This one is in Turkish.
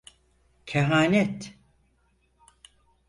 Kehanet…